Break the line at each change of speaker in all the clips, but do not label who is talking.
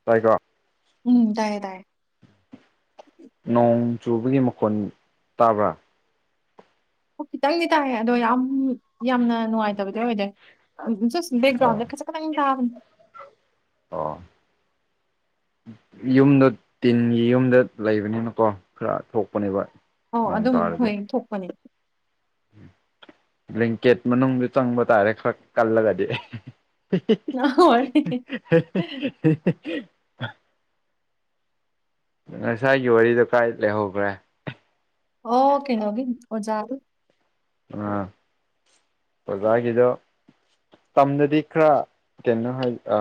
[unintelligible]
ꯎꯝ ꯇꯥꯏꯌ‌ꯦ ꯇꯥꯏꯌ‌ꯦ
ꯅꯣꯡ ꯆꯨꯕꯒꯤ ꯃꯈꯣꯟ ꯇꯥꯕ꯭ꯔꯥ
ꯑꯣ ꯈꯤꯇꯪꯗꯤ ꯇꯥꯏꯌꯦ ꯑꯗꯣ ꯌꯥꯝ ꯌꯥꯝꯅ ꯅꯨꯡꯉꯥꯏꯇꯕꯗꯤ ꯑꯣꯏꯗꯦ ꯖꯁ
ꯑ
ꯕꯦꯛꯒ꯭ꯔꯥꯎꯟꯗ ꯈꯖꯤꯛ [unintelligible]
ꯑꯣ ꯌꯨꯝꯗꯣ ꯇꯤꯟꯒꯤ ꯌꯨꯝꯗ ꯂꯩꯕꯅꯤꯅꯀꯣ ꯈꯔ ꯊꯣꯛꯄꯅꯦꯕ
ꯑꯣ
ꯅꯣꯡ
ꯑꯗꯨꯝ
ꯇꯥꯔꯗꯤ
ꯍꯣꯏ ꯊꯣꯛꯄꯅꯤ
ꯕꯦꯜꯀꯦꯠ ꯃꯅꯨꯡ ꯆꯪꯕ ꯇꯥꯔꯦ ꯈꯔ ꯀꯜꯂꯒꯗꯤ [unintelligible] ꯉꯁꯥꯏꯒꯤ ꯋꯥꯔꯤꯗꯣ ꯀꯥꯏ ꯂꯩꯍꯧꯈ꯭ꯔꯦ
ꯑꯣ ꯀꯩꯅꯣꯒꯤ ꯑꯣꯖꯥꯒꯤ
ꯑ ꯑꫭꯖꯒꯤꯗꯣ ꯇꯝꯅꯗꯤ ꯈꯔ ꯀꯩꯅꯣ ꯍꯥꯏ ꯑ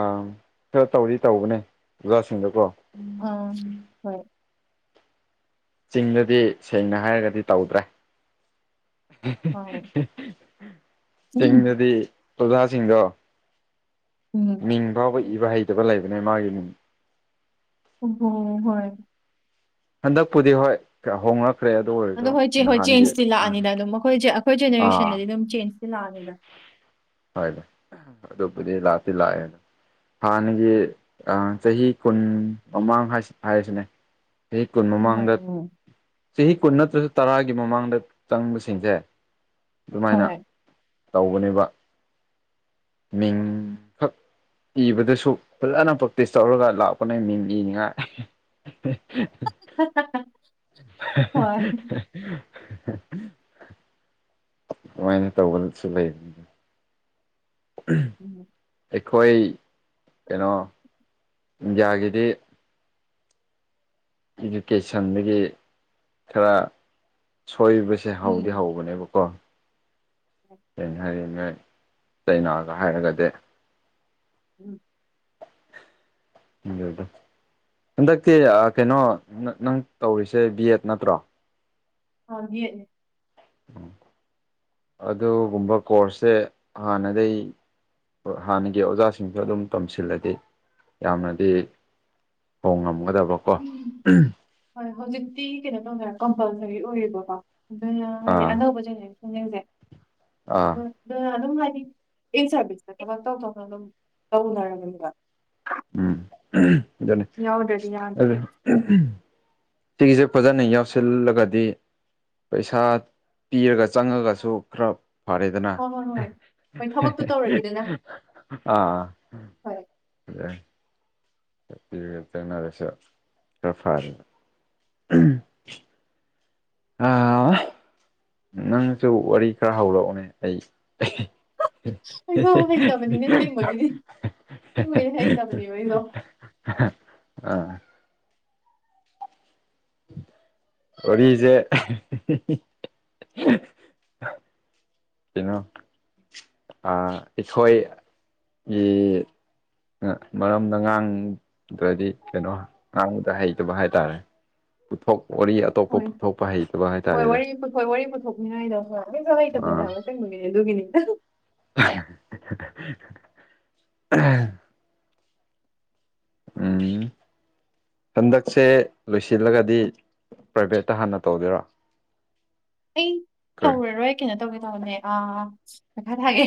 ꯈꯔ ꯇꯧꯗꯤ ꯇꯧꯕꯅꯦ ꯑꯣꯖꯥꯁꯤꯡꯗꯀꯣ
ꯑꯥ ꯍꯣꯏ
ꯆꯤꯡꯗꯗꯤ ꯁꯦꯡꯅ ꯍꯥꯏꯔꯒꯗꯤ ꯇꯧꯗ꯭ꯔꯦ ꯆꯤꯡꯗꯗꯤ ꯑꯣꯖꯥꯁꯤꯡꯗꯣ
ꯎꯝ
ꯃꯤꯡ ꯐꯥꯎꯕ ꯏꯕ ꯍꯩꯇꯕ ꯂꯩꯕꯅꯦ ꯃꯥꯒꯤ ꯃꯤ
ꯍꯣꯏ
ꯍꯟꯗꯛꯄꯨꯗꯤ ꯍꯣꯏ ꯍꯣꯡꯂꯛ ꯐꯦꯗꯣ
ꯑꯗꯣ ꯍꯣꯏ ꯆꯦꯟ ꯍꯣꯏ ꯆꯦꯟꯖꯇꯤ ꯂꯥꯛꯑꯅꯤꯅ ꯑꯗꯨꯝ ꯑꯩꯈꯣꯏ ꯑꯩꯈꯣꯏ
ꯑꯥ
ꯖꯦꯅꯦꯔꯦꯁꯟꯗꯗꯤ ꯑꯗꯨꯝ ꯆꯦꯟꯖꯇꯤ ꯂꯥꯛꯑꯅꯤꯗ
ꯍꯣꯗꯥ ꯑꯗꯨꯕꯨꯗꯤ ꯂꯥꯛꯇꯤ ꯂꯥꯛꯑꯦ ꯍꯥꯟꯅꯒꯤ ꯑꯥ ꯆꯍꯤ ꯀꯨꯟ ꯃꯃꯥꯡ ꯍꯥꯏꯔꯤꯁꯤꯅꯦ ꯆꯍꯤ ꯀꯨꯟ ꯃꯃꯥꯡꯗ ꯆꯍꯤ ꯀꯨꯟ ꯅꯠꯇ꯭ꯔꯁꯨ ꯇꯔꯥꯒꯤ ꯃꯃꯥꯡꯗ ꯆꯪꯕꯁꯤꯡꯁꯦ ꯑꯗꯨꯃꯥꯏꯅ ꯇꯧꯕꯅꯦꯕ ꯃꯤꯡꯈꯛ ꯏꯕꯗꯁꯨ ꯐꯖꯅ ꯄ꯭ꯔꯦꯛꯇꯤꯁ ꯇꯧꯔꯒ ꯂꯥꯛꯄꯅ‌ꯦ ꯃꯤꯡ ꯏꯅꯤꯉꯥꯏ [unintelligible]
[unintelligible]
[unintelligible] ꯑꯗꯨꯃꯥꯏꯅ ꯇꯧꯕꯁꯨ ꯂꯩ [unintelligible]
ꯎꯝ
ꯑꯩꯈꯣꯏ ꯀꯩꯅꯣ ꯏꯟꯗꯤꯌꯥꯒꯤꯗꯤ ꯏꯗꯨꯀꯦꯁꯟꯗꯒꯤ ꯈꯔ ꯁꯣꯏꯕꯁ ꯁꯦ ꯍꯧꯗꯤ ꯍꯧꯕꯅꯦꯕꯀꯣ ꯑꯩꯅ ꯍꯥꯏꯌꯦ ꯅꯣꯏ ꯆꯩꯅꯥꯒꯥ ꯍꯥꯏꯔꯒꯥꯗꯤ
ꯎꯝ
ꯍꯟꯗꯛꯇꯤ ꯀꯩꯅꯣ ꯅꯪ ꯇꯧꯔꯤꯁꯦ ꯕꯤ ꯑꯦꯗ ꯅꯠꯇ꯭ꯔꯣ
ꯍꯥ ꯌꯦꯅꯦ
ꯑꯗꯨꯒꯨꯝꯕ ꯀꯣꯔꯁꯁꯦ ꯍꯥꯟꯅꯗꯩ ꯍꯥꯟꯅꯒꯤ ꯑꯣꯖꯥꯁꯤꯡꯁꯨ ꯑꯗꯨꯝ ꯇꯝꯁꯤꯜꯂꯗꯤ ꯌꯥꯝꯅꯗꯤ ꯍꯣ ꯉꯝꯒꯥꯗꯕꯀꯣ
ꯍꯣꯏ ꯍꯧꯖꯤꯛꯇꯤ ꯀꯩꯅꯣ ꯇꯧꯅꯔ ꯀꯝꯄꯜꯁꯔꯤ ꯑꯣꯏꯌꯦꯕꯀꯣ ꯑꯗꯨꯅ ꯍꯥꯏꯗꯤ
ꯑꯥ
ꯑꯅꯧꯕ ꯆꯩꯅꯔꯤ
ꯑꯥ
[unintelligible] ꯑꯗꯨ ꯑꯗꯨꯝ ꯍꯥꯏꯗꯤ ꯑꯦꯠ ꯁꯥꯔꯚꯤꯁꯁꯇ ꯊꯕꯛ ꯇꯧ ꯇꯧꯅ ꯑꯗꯨꯝ ꯇꯧꯅꯔꯒꯅꯦꯕ
ꯎꯝ ꯑꯗꯨꯅꯦ ꯑꯗꯨ ꯁꯤꯒꯤꯁꯦ ꯐꯖꯅ ꯌꯥꯎꯁꯤꯜꯂꯒꯗꯤ ꯄꯩꯁꯥ ꯄꯤꯔꯒ ꯆꯪꯉꯒꯁꯨ ꯈꯔ ꯐꯔꯦꯗꯅ ꯑꯥ ꯄꯤꯔꯒ ꯇꯦꯡꯅꯔꯁꯨ ꯈꯔ ꯐꯔꯦ [unintelligible] ꯑꯥ ꯅꯪꯁꯨ ꯋꯥꯔꯤ ꯈꯔ ꯍꯧꯔꯛꯑꯣꯅꯦ ꯑꯩ
ꯄꯩꯁꯥ ꯍꯩꯇꯕꯅꯤꯅꯦ ꯑꯁꯦꯡꯕꯒꯤꯗꯤ ꯁꯦꯡꯕꯩ ꯍꯩꯇꯕꯅꯦꯕ ꯑꯩꯗꯣ
ꯑꯥ ꯋꯥꯔꯤꯁꯦ ꯀꯩꯅꯣ ꯑꯩꯈꯣꯏ ꯃꯔꯝꯅ ꯉꯥꯡꯗꯗꯤ ꯀꯩꯅꯣ ꯑꯉꯥꯡꯕꯗ ꯍꯩꯇꯕ ꯍꯥꯏꯇꯥꯔꯦ ꯄꯨꯊꯣꯛ ꯋꯥꯔꯤ ꯑꯇꯣꯞꯄ ꯄꯨꯊꯣꯛꯄ ꯍꯩꯇꯕ ꯍꯥꯏꯇꯥꯔꯦꯗ
[unintelligible] ꯈꯣꯏ ꯋꯥꯔꯤ ꯄꯨꯊꯣꯛꯅꯤꯡꯉꯥꯏꯗꯣ ꯍꯩꯖꯨ ꯍꯩꯇꯕꯅꯦ
ꯑꯥ
ꯍꯥꯏꯕ ꯑꯁꯦꯡꯕꯒꯤ ꯑꯗꯨꯒꯤꯅꯤꯗꯥ
[unintelligible] ꯎꯝ ꯍꯟꯗꯛꯁꯦ ꯂꯣꯏꯁꯤꯜꯂꯒꯗꯤ ꯄ꯭ꯔꯥꯏꯚꯦꯠꯇ ꯍꯥꯟꯅ ꯇꯧꯗꯣꯏꯔꯣ
ꯑꯩ
ꯀꯔꯤ
ꯇꯧꯔꯔꯣꯏ ꯀꯩꯅꯣ ꯇꯧꯒꯦ ꯇꯧꯕꯅꯦ ꯑꯥ ꯄꯩꯈꯔꯤ ꯊꯥꯒꯦ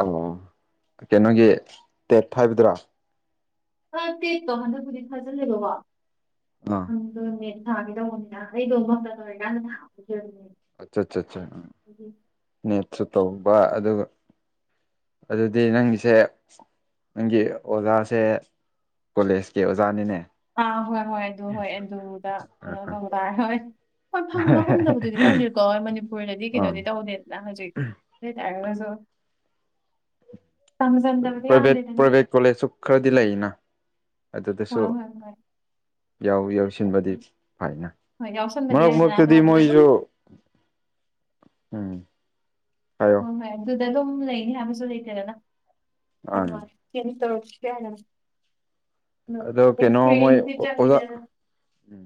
ꯑꯣ ꯀꯩꯅꯣꯒꯤ ꯇꯦꯠ ꯍꯥꯏꯕꯗ꯭ꯔꯥ
ꯑꯥ ꯇꯦꯛꯇꯣ ꯍꯟꯗꯛꯄꯨꯗꯤ ꯊꯥꯖꯜꯂꯦꯕꯀꯣ
ꯑꯥ
ꯑꯗꯨꯅꯦ ꯊꯥꯒꯦ ꯇꯧꯅꯤꯗ ꯑꯩꯗꯣ ꯃꯁꯇꯦꯔ ꯇꯧꯔꯤꯀꯟ ꯊꯍꯧꯗꯦ
ꯑꯠꯆꯥꯆꯥꯆꯥ ꯎꯝ ꯅꯦꯠꯁꯨ ꯇꯧꯕ ꯑꯗꯨꯒꯥ ꯑꯗꯨꯗꯤ ꯅꯪꯒꯤꯁꯦ ꯅꯪꯒꯤ ꯑꯣꯖꯥꯁꯦ ꯀꯣꯂꯦꯖꯀꯤ ꯑꯣꯖꯥꯅꯤꯅꯦ
ꯑꯥ ꯍꯣꯏ ꯍꯣꯏ ꯑꯗꯨ ꯍꯣꯏ ꯑꯗꯨꯗꯥ ꯀꯩꯅꯣ ꯇꯧꯕ ꯇꯔꯦ ꯍꯣꯏ ꯍꯣꯏ ꯐꯪꯕ ꯐꯪꯗꯕꯗꯨꯗꯤ ꯈꯪꯗꯦ ꯀꯣꯏ ꯃꯅꯤꯄꯨꯔꯗꯗꯤ ꯀꯩꯅꯣꯗꯤ
ꯎꯝ
ꯇꯧꯗꯦꯗꯅ ꯍꯧꯖꯤꯛ ꯑꯗꯨꯇꯥꯔꯒꯁꯨ
ꯄ꯭ꯔꯥꯏꯚꯦꯠ ꯄ꯭ꯔꯥꯏꯚꯦꯠ ꯀꯣꯂꯦꯖꯁꯨ ꯈꯔꯗꯤ ꯂꯩꯌꯦꯅ
ꯍꯣꯏ ꯍꯣꯏ ꯍꯣꯏ
ꯌꯥꯎꯔꯤ ꯌꯥꯎꯁꯤꯟꯕꯗꯤ ꯐꯥꯏꯅ ꯃꯔꯛ ꯃꯔꯛꯇꯥꯗꯤ ꯃꯣꯏꯖꯨ ꯎꯝ ꯍꯥꯏꯌꯣ
ꯑꯗꯨꯗ ꯑꯗꯨꯝ ꯂꯩꯅꯤ ꯍꯥꯏꯕꯁꯨ ꯂꯩꯇꯦꯗꯅ
ꯑꯪ
ꯇꯦꯅꯤꯡ ꯇꯧꯔꯛꯈꯤꯒꯦ ꯍꯥꯏꯔꯥ ꯎꯝ
ꯑꯗꯣ ꯀꯩꯅꯣ
ꯑꯦꯛꯁꯄꯦꯟ
ꯃꯣꯏ ꯑꯣꯖꯥ
ꯇꯤꯆꯥꯔꯍꯤꯗꯥ
ꯎꯝ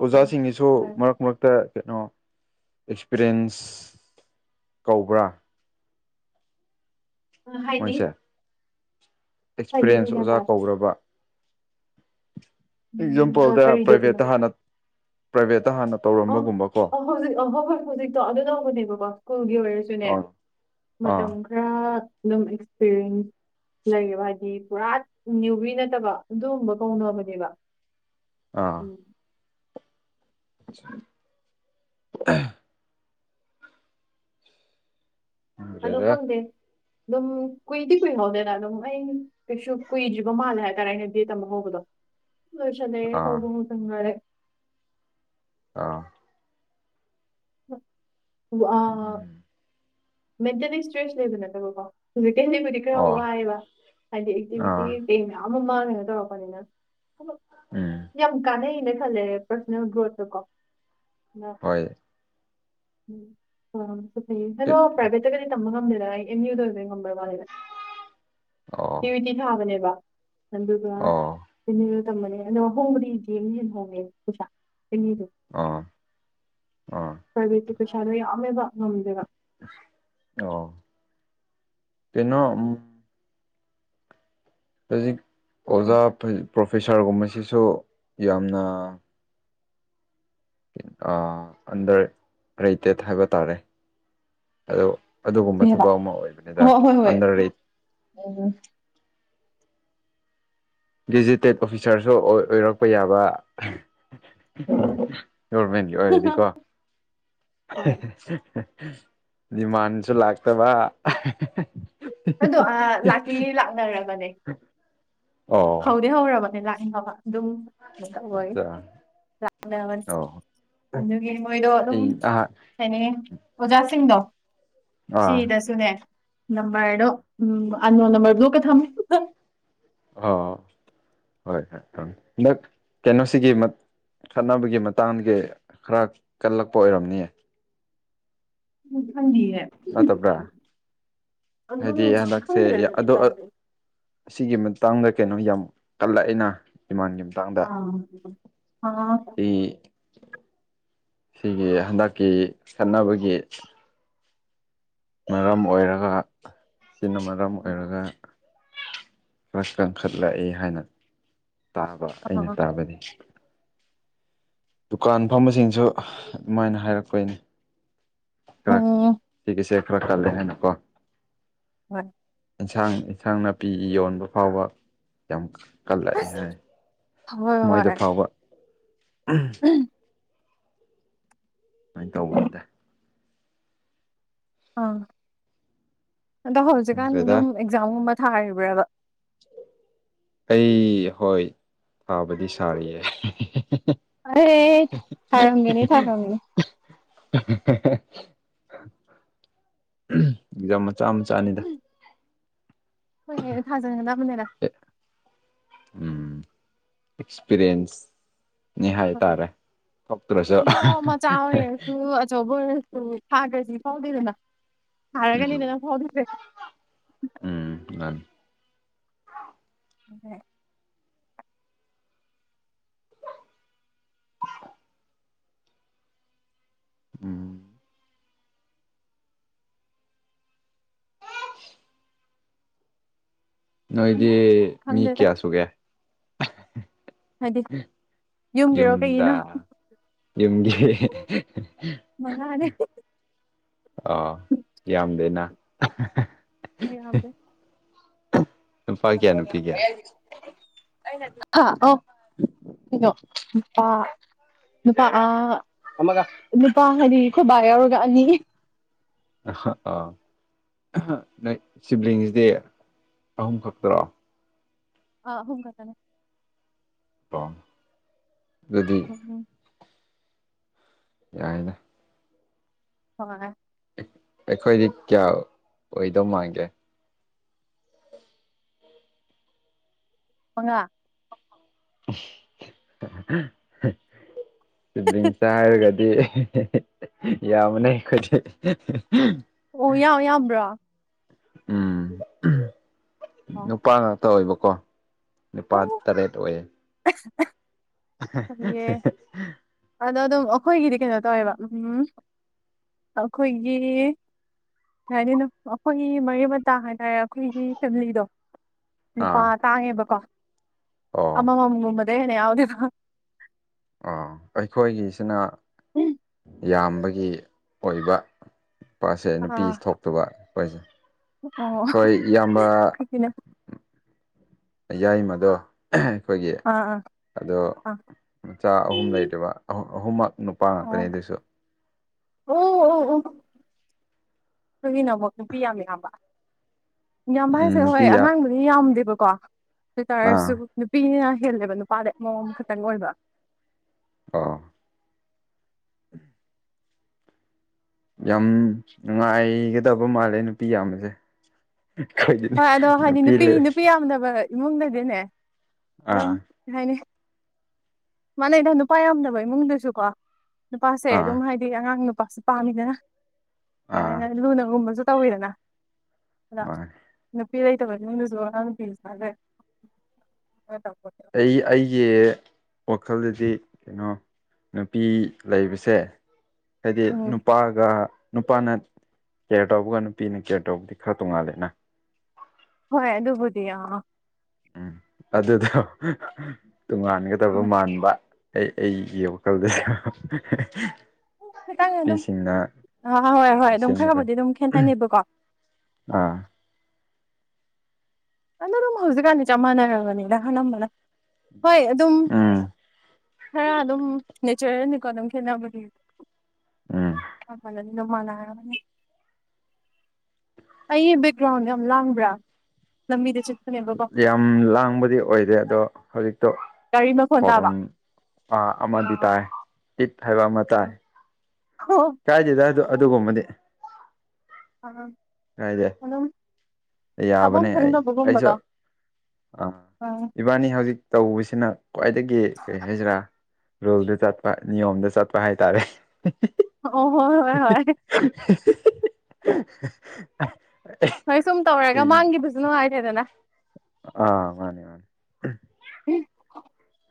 ꯑꯣꯖꯥꯁꯤꯡꯒꯤꯁꯨ ꯃꯔꯛ ꯃꯔꯛꯇ ꯀꯩꯅꯣ ꯑꯦꯛꯁꯄꯤꯔꯤꯟꯁ ꯀꯧꯕ꯭ꯔꯥ
ꯑꯥ ꯍꯥꯏꯗꯤ
ꯑꯦꯛꯁꯄꯔꯌꯦꯦꯟꯁ ꯑꯣꯖꯥ ꯀꯧ꯭ꯔꯕ ꯑꯦꯛꯖꯥꯝꯄꯜꯗꯥ ꯄ꯭ꯔꯥꯏꯚꯦꯠꯇꯥ ꯍꯥꯟꯅ ꯄ꯭ꯔꯥꯏꯚꯦꯠꯇꯥ ꯍꯥꯟꯅ ꯇꯧꯔꯝꯕꯒꯨꯝꯕ ꯀꯣ
ꯍꯧꯖꯤꯛ ꯑꯣ ꯍꯣꯏ ꯍꯣꯏ ꯍꯧꯖꯤꯛꯇꯣ ꯑꯗꯨ ꯇꯧꯕꯅꯦꯕꯀꯣ ꯁ꯭ꯀꯨꯜꯒꯤ ꯑꯣꯏꯔꯁꯨꯅꯦ
ꯑꯥ ꯑꯥ
ꯃꯇꯝ ꯄꯨ ꯑꯗꯨꯝ ꯑꯦꯛꯁꯄꯤꯔꯤꯟꯁ ꯂꯩꯔꯤꯕꯌꯦꯕ ꯍꯥꯏꯗꯤ ꯄꯨꯔꯥ ꯅꯤꯌꯨꯕꯤ ꯅꯠꯇꯕ ꯑꯗꯨꯒꯨꯝꯕ ꯀꯧꯅꯕꯅꯦꯕ
ꯑꯥ [unintelligible]
ꯑꯗꯣ
ꯑꯗꯨꯗ
ꯈꯪꯗꯦ ꯑꯗꯨꯝ ꯀꯨꯏꯗꯤ ꯀꯨꯏꯍꯧꯗꯦꯅ ꯑꯗꯨꯝ ꯑꯩ ꯀꯩꯁꯨ ꯀꯨꯏꯗ꯭ꯔꯤꯕ ꯃꯥꯜꯂꯦ ꯍꯥꯏꯇꯥꯔꯦ ꯑꯩꯅꯗꯤ ꯇꯝꯕ ꯍꯧꯕꯗꯣ ꯂꯣꯏꯁꯜꯂꯦ
ꯑꯥ
ꯍꯧꯕ ꯍꯧ ꯁꯪꯅꯔꯦ
ꯑꯥ
ꯑꯥ
ꯎꯝ
ꯃꯦꯟꯇꯦꯜꯂꯤ ꯏꯁꯇ꯭ꯔꯦꯁ ꯂꯩꯕ ꯅꯠꯇꯕꯀꯣ ꯐꯤꯖꯤꯀꯦꯜꯂꯤꯕꯨꯗꯤ ꯈꯔ
ꯑꯣ
ꯋꯥꯏꯑꯦꯕ ꯍꯥꯏꯗꯤ ꯑꯦꯛꯇꯤꯚꯤꯇꯤ
ꯑꯥ
ꯀ ꯃꯌꯥꯝ ꯑꯃ ꯃꯥꯡꯉꯦꯅ ꯇꯧꯔꯛꯄꯅꯤꯅ
ꯎꯝ
ꯌꯥꯝ ꯀꯥꯟꯅꯩꯅ ꯈꯜꯂꯦ ꯄ꯭ꯔꯁꯣꯅꯦꯜ ꯒ꯭ꯔꯣꯠꯇ ꯀꯣ
ꯍꯣꯏ
[unintelligible] ꯍꯦꯛꯇꯒꯅꯤ ꯇꯝꯕ ꯉꯝꯗꯦꯗ ꯑꯩ ꯑꯦꯝ ꯌꯨꯗ ꯑꯣꯏꯕ ꯉꯝꯕꯔ ꯋꯥꯅꯤꯦꯗ
ꯑꯣ
ꯇꯋꯤꯇꯤ ꯊꯥꯕꯅꯦꯕ [unintelligible]
ꯑꯣ
ꯆꯦꯅꯤꯗꯨꯣ ꯇꯝꯃꯅꯦ ꯑꯗꯨꯒ ꯍꯣꯡꯕꯅꯤꯗꯤ ꯍꯟꯅ ꯍꯣꯡꯉꯦꯕ ꯄꯩꯁꯥ ꯆꯦꯅꯤꯗꯨꯣ
ꯑꯥ ꯑꯥ
ꯄꯔꯥꯏꯕꯦꯠꯇꯤ ꯄꯩꯁꯥꯗꯣ ꯌꯥꯝꯃꯦꯕ ꯉꯝꯗꯦꯕ
ꯑꯣ ꯀꯩꯅꯣ ꯍꯧꯖꯤꯛ ꯑꯣꯖꯥ ꯄ꯭ꯔꯣꯐꯦꯁꯥꯔꯒꯨꯝꯕꯁꯤꯁꯨ ꯌꯥꯝꯅ ꯑꯟꯗꯔ ꯔꯦꯇꯦꯠ ꯍꯥꯏꯕ ꯇꯥꯔꯦ ꯑꯗꯨ ꯑꯗꯨꯒꯨꯝꯕ ꯊꯕꯛ ꯑꯃ ꯑꯣꯏꯕꯅꯤꯗꯥ ꯑꯟꯗꯔꯠ
ꯎꯝ
ꯗꯤꯖꯤꯇꯦꯠ ꯑꯣꯐꯤꯁꯥꯔꯁꯨ ꯑꯣꯏꯔꯛꯄ ꯌꯥꯕ ꯒꯣꯔꯃꯦꯟꯒꯤ ꯑꯣꯏꯔꯗꯤꯀꯣ ꯗꯤꯃꯥꯟꯁꯨ ꯂꯥꯛꯇꯥꯕ
ꯑꯗꯣ ꯂꯥꯇꯤ ꯂꯥꯛꯅꯔꯕꯅꯦ
ꯑꯣ
ꯍꯧꯗꯤ ꯍꯧꯔꯕꯅꯦ ꯂꯥꯛꯏꯕ ꯑꯗꯨꯝ [unintelligible] ꯑꯣꯏ
ꯑꯠꯆꯥ ꯑꯣ
[unintelligible] ꯑꯗꯨꯒꯤ ꯃꯗꯣꯗ
ꯑꯩ ꯑꯥ
ꯀꯩꯍꯥꯏꯅꯤ ꯑꯣꯖꯥꯁꯤꯡꯗꯣ
ꯑꯥ
ꯁꯤꯗꯁꯨꯅꯦ ꯐꯔꯗꯣ ꯎꯝ ꯑꯟꯅꯣꯟ ꯅꯨꯝꯕꯔ ꯕꯂꯣ꯭ꯛꯀꯥ ꯊꯥꯝꯃꯦ
ꯑꯣ ꯍꯣꯏ ꯍꯣꯏ ꯍꯟꯗꯛ ꯀꯩꯅꯣꯁꯤꯒꯤ ꯈꯠꯅꯕꯒꯤ ꯃꯇꯥꯡꯗꯤ ꯈꯔ ꯀꯜꯂꯛꯄ ꯑꯣꯏꯔꯝꯅꯤꯌꯦ
[unintelligible]
ꯅꯠꯇꯕ꯭ꯔꯥ ꯍꯥꯏꯗꯤ ꯍꯟꯗꯛꯁꯦ ꯑ ꯑꯁꯤꯒꯤ ꯃꯇꯥꯡꯗ ꯀꯩꯅꯣ ꯌꯥꯝ ꯀꯜꯂꯛꯑꯦꯅ ꯏꯃꯥꯟꯒꯤ ꯃꯇꯥꯡꯗ
[unintelligible]
[unintelligible] ꯁꯤꯒꯤ ꯍꯟꯗꯛꯀꯤ ꯈꯠꯅꯕꯒꯤ ꯃꯔꯝ ꯑꯣꯏꯔꯒ ꯁꯤꯅ ꯃꯔꯝ ꯑꯣꯏꯔꯒ [unintelligible] ꯇꯥꯕ ꯑꯩꯅ ꯇꯥꯕꯗꯤ ꯗꯨꯀꯥꯟ ꯐꯝꯕꯁꯤꯡꯁꯨ ꯑꯗꯨꯃꯥꯏꯅ ꯍꯥꯏꯔꯛꯄꯩꯅꯤ [unintelligible] ꯍꯥꯏꯅꯥ ꯀꯣ
[unintelligible]
ꯏꯟꯁꯥꯡ ꯏꯟꯁꯥꯡ ꯅꯥꯄꯤ ꯌꯣꯟꯕ ꯐꯥꯎꯕ ꯌꯥꯝ ꯀꯜꯂꯛꯑꯦ ꯍꯥꯏ
ꯍꯣꯏ ꯍꯣꯏ
ꯑꯝ ꯁꯨꯃꯥꯏꯅ ꯇꯧꯕꯗꯦ
ꯑꯥ ꯑꯗꯣ ꯍꯧꯖꯤꯛꯀꯥꯟ
ꯈꯪꯗ꯭ꯔꯦꯗ
ꯑꯗꯨꯝ ꯑꯦꯛꯖꯥꯝꯒꯨꯝꯕ ꯊꯥꯔꯤꯕ꯭ꯔꯕ
ꯑꯩ ꯍꯣꯏ ꯁꯥꯕꯗꯤ ꯁꯥꯔꯤꯌꯦ
ꯑꯩ ꯊꯥꯔꯝꯒꯅꯤ ꯊꯥꯔꯝꯒꯅꯤ
ꯑꯦꯛꯖꯥꯝ ꯃꯆꯥ ꯃꯆꯥꯅꯤꯗ
ꯍꯣꯏ ꯊꯥꯖꯤꯟꯒꯗꯕꯅꯦꯗ
ꯎꯝ ꯑꯦꯛꯁꯄꯤꯔꯤꯌꯦꯟꯁ ꯅꯤ ꯍꯥꯏꯇꯥꯔꯦ ꯊꯣꯛꯇ꯭ꯔꯁꯨ
ꯑꯗꯨ ꯑꯆꯧꯕ ꯑꯣꯏꯔꯁꯨ ꯊꯥꯈ꯭ꯔꯁꯤ ꯐꯥꯎꯗꯦꯗꯅ
ꯎꯝ
ꯊꯥꯔꯒꯅꯤꯗꯅ ꯐꯥꯎꯗꯨꯏꯁꯦ
ꯎꯝ ꯉꯥꯅꯤ
[unintelligible]
ꯎꯝ [unintelligible] ꯅꯣꯏꯗꯤ ꯃꯤ ꯀꯌꯥ ꯁꯨꯒꯦ ꯌꯨꯝꯗ ꯌꯨꯝꯒꯤ
[unintelligible]
ꯑꯥ ꯌꯥꯝꯗꯦꯅ
ꯑ ꯌꯥꯝꯗꯦ
ꯅꯨꯄꯥ ꯀꯌꯥ ꯅꯨꯄꯤ ꯀꯌꯥ
[unintelligible] ꯍꯥ ꯑꯣ [unintelligible] ꯅꯨꯄꯥ ꯑꯃꯒ ꯅꯨꯄꯥ ꯍꯥꯏꯗꯤ ꯈꯣꯏꯕꯥ ꯌꯥꯎꯔꯒ ꯑꯅꯤ
ꯑ ꯑꯥ ꯅꯣꯏ ꯁꯤꯕ꯭ꯂꯤꯡꯁꯤꯗꯤ ꯑꯍꯨꯝ ꯈꯛꯇꯔꯣ
ꯑ ꯑꯍꯨꯝ ꯈꯛꯇꯅꯦ
ꯑꯣ ꯑꯗꯨꯗꯤ
ꯎꯝ
ꯌꯥꯏꯗ
ꯍꯣꯏ
ꯑꯩꯈꯣꯏꯗꯤ ꯀꯌꯥ ꯑꯣꯏꯗꯧ ꯃꯥꯟꯒꯦ
ꯃꯉꯥ
ꯁꯤꯕꯂꯤꯡꯁꯇꯥ ꯍꯥꯏꯔꯒꯥꯗꯤ ꯌꯥꯝꯕꯅꯦ ꯑꯩꯈꯣꯏꯗꯤ
ꯑꯣ ꯌꯥ ꯌꯥꯝꯕ꯭ꯔꯥ
ꯎꯝ ꯅꯨꯄꯥ ꯉꯥꯛꯇ ꯑꯣꯏꯕꯀꯣ ꯅꯤꯄꯥꯜ ꯇꯔꯦꯠ ꯑꯣꯏ
[unintelligible] ꯐꯌꯦ ꯑꯗꯣ ꯑꯗꯨꯝ ꯑꯩꯈꯣꯏꯒꯤꯗꯤ ꯀꯩꯅꯣ ꯇꯧꯋꯦꯕ ꯎꯝ ꯑꯩꯈꯣꯏꯒꯤ ꯌꯥꯅꯤꯅ ꯑꯩꯈꯣꯏꯒꯤ ꯃꯔꯤ ꯃꯇꯥ ꯍꯥꯏꯇꯥꯔꯦ ꯑꯩꯈꯣꯏꯒꯤ ꯐꯦꯃꯤꯂꯤꯗꯣ ꯅꯨꯄꯥ
ꯑꯥ
ꯇꯥꯡꯉꯦꯕꯀꯣ
ꯑꯣ
ꯑꯃꯃꯝꯒꯨꯝꯕꯗ ꯩ ꯍꯦꯟꯅ ꯌꯥꯎꯗꯦꯕ
ꯑꯥ ꯑꯩꯈꯣꯏꯒꯤꯁꯤꯅ
ꯎꯝ
ꯌꯥꯝꯕꯒꯤ ꯑꯣꯏꯕ ꯄꯥꯁꯦ ꯅꯨꯄꯤ ꯊꯣꯛꯇꯕ ꯍꯣꯏꯁꯦ ꯍꯣꯏ ꯏꯌꯥꯝꯕ ꯌꯥꯏꯃꯗꯣ ꯑꯩꯈꯣꯏꯒꯤ ꯑꯗꯣ ꯃꯆꯥ ꯑꯍꯨꯝ ꯂꯩꯔꯤꯕ ꯑꯍꯨꯝꯃꯛ ꯅꯨꯄꯥ ꯉꯥꯛꯇꯅꯦ ꯑꯗꯨꯁꯨ
ꯑꯣ ꯑꯣ ꯑꯣ ꯑꯩꯈꯣꯏꯒꯤꯅ ꯑꯃꯨꯛ ꯅꯨꯄꯤ ꯌꯥꯝ ꯌꯥꯝꯕ ꯍꯥꯏꯁꯦ
ꯎꯝ
ꯍꯣꯏ
ꯅꯨꯄꯤ ꯑꯥ
ꯑꯉꯥꯡ [inaudible] ꯃꯤ ꯌꯥꯝꯗꯦꯕꯀꯣ ꯑꯗꯨꯇꯥꯔꯁꯨ
ꯑꯣ
ꯅꯨꯄꯤꯅ ꯍꯦꯜꯂꯦꯕ ꯅꯨꯄꯥꯗꯩ ꯃꯧ ꯑꯃ ꯈꯛꯇꯪ ꯑꯣꯏꯕ
ꯑꯥ ꯌꯥꯝ ꯅꯨꯡꯉꯥꯏꯒꯗꯕ ꯃꯥꯜꯂꯦ ꯅꯨꯄꯤ ꯌꯥꯝꯕꯁꯦ [unintelligible]
ꯍꯣꯏ ꯑꯗꯣ ꯍꯥꯏꯗꯤ ꯅꯨꯄꯤ ꯅꯨꯄꯤ ꯌꯥꯝꯗꯕ ꯏꯃꯨꯡꯗꯗꯤꯅꯦ ꯑꯗꯨꯝ
ꯑꯥ
ꯀꯩ ꯍꯥꯏꯅꯤ ꯃꯥꯟꯅꯩꯗ ꯅꯨꯄꯥ ꯌꯥꯝꯗꯕ ꯏꯃꯨꯡꯗꯁꯨ ꯀꯣ ꯅꯨꯄꯥꯁꯦ
ꯑꯥ
ꯑꯗꯨꯝ ꯍꯥꯏꯗꯤ ꯑꯉꯥꯡ ꯅꯨꯄꯥ ꯄꯥꯝꯃꯤꯗꯅ
ꯑꯥ
ꯁꯨꯃꯥꯏꯅ ꯂꯨꯅꯒꯨꯝꯕꯁꯨ ꯇꯧꯋꯤꯗꯅ ꯑꯗ
ꯃꯥꯅꯦ
ꯅꯨꯄꯤ ꯂꯩꯇꯕ ꯏꯃꯨꯡ ꯗꯁꯨ ꯑꯉꯥꯡ ꯅꯨꯄꯤꯃꯆꯥꯁꯦ [inaudible]
ꯑꯩ ꯑꯩꯒꯤ ꯋꯥꯈꯜꯗꯗꯤ ꯀꯩꯅꯣ ꯅꯨꯄꯤ ꯂꯩꯕꯁꯦ ꯍꯥꯏꯗꯤ ꯅꯨꯄꯥꯒ ꯅꯨꯄꯥꯅ ꯀꯦꯌꯔ ꯇꯧꯕꯒ ꯅꯨꯄꯤꯅ ꯀꯦꯌꯔ ꯇꯧꯕꯗꯤ ꯈꯔ ꯇꯣꯡꯉꯥꯜꯂꯦꯅ
ꯍꯣꯏ ꯑꯗꯨꯕꯨꯗꯤ ꯌꯥꯝ
ꯎꯝ ꯑꯗꯨꯗꯣ ꯇꯣꯉꯥꯟꯒꯗꯕ ꯃꯥꯟꯕ ꯑꯩ ꯑꯩꯒꯤ ꯋꯥꯈꯜꯗꯁꯨ ꯌꯥꯝ
ꯈꯤꯇꯪ ꯑꯗꯨꯝ ꯍꯣꯏ ꯍꯣꯏ ꯑꯗꯨꯝ
ꯁꯦꯝꯃꯒ
ꯈꯔꯕꯨꯗꯤ ꯑꯗꯨꯝ ꯈꯦꯠꯅꯅꯦꯕꯀꯣ
ꯑꯥ
ꯑꯗꯣ ꯑꯗꯨꯝ ꯍꯧꯖꯤꯛꯀꯥꯟꯗꯤ ꯆꯞ ꯃꯥꯟꯅꯔꯕꯅꯤꯅ ꯑꯅꯝꯕꯅ ꯍꯣꯏ ꯑꯗꯨꯝ
ꯎꯝ
ꯈꯔ ꯑꯗꯨꯝ ꯅꯦꯆꯔꯦꯜꯅꯤꯀꯣ ꯑꯗꯨꯝ ꯈꯦꯠꯅꯕꯗꯤ [inaudible]
ꯎꯝ
ꯑꯩꯒꯤ ꯕꯦꯛꯒ꯭ꯔꯥꯎꯟꯗꯣ ꯌꯥꯝ ꯂꯥꯡꯕ꯭ꯔꯥ ꯂꯝꯕꯤꯗ ꯆꯠ
ꯌꯥꯝ ꯂꯥꯡꯕꯗꯤ ꯑꯣꯏꯗꯦ ꯑꯗꯣ ꯍꯧꯖꯤꯛꯇꯣ ꯍꯣꯔꯣꯟ ꯑꯃꯗꯤ ꯇꯥꯏ ꯇꯤꯠ ꯍꯥꯏꯕ ꯑꯃ ꯇꯥꯏ ꯀꯥꯏꯗꯦꯗ ꯑꯗꯨꯒꯨꯝꯕꯗꯤ
ꯑ
ꯀꯥꯏꯗꯦ
ꯑꯗꯨꯝ ꯇꯥꯕꯝ
ꯌꯥꯕꯅꯦ ꯑꯩ
ꯈꯪꯗꯕ
ꯑꯩꯁꯨ
ꯑꯗꯨꯝꯕꯗꯣ
ꯑꯥ
ꯎꯝ
ꯏꯕꯥꯅꯤ ꯍꯧꯖꯤꯛ ꯇꯧꯕꯁꯤꯅ ꯈ꯭ꯋꯥꯏꯗꯒꯤ ꯀꯔꯤ ꯍꯥꯏꯁꯤꯔꯥ ꯔꯣꯜꯗꯥ ꯆꯠꯄ ꯅꯤꯌꯣꯝꯗꯥ ꯆꯠꯄ ꯍꯥꯏꯇꯥꯔꯦ
ꯑꯣ ꯍꯣꯏ ꯍꯣꯏ ꯍꯣꯏ
[unintelligible] [unintelligible]
[inaudible] ꯁꯨꯝ ꯇꯧꯔꯒ ꯃꯥꯡꯒꯤꯕꯁꯨ ꯅꯨꯡꯉꯥꯏꯇꯦꯗꯅ꯫
ꯑ ꯃꯥꯅꯦ ꯃꯥ
[unintelligible]